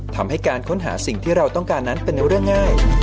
ทำให้การค้นหาสิ่งที่เราต้องการนั้นเป็นเรื่องง่าย